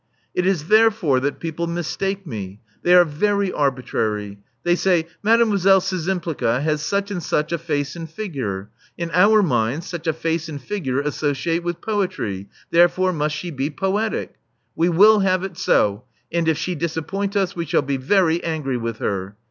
"It is therefore that people mistake me. They are very arbitrary. They say, 'Mademoiselle Szczympliga has such and such a face and figure. In our minds such a face and figure associate with poetry. There fore must she be poetic. We will have it so ; and if she disappoint us we will be very angry with her.'